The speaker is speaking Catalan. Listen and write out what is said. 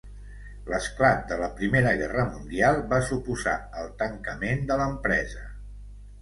L'esclat de la Primera Guerra Mundial va suposar el tancament de l'empresa.